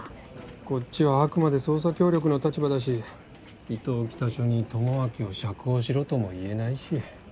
こっちはあくまで捜査協力の立場だし伊東北署に智明を釈放しろとも言えないし。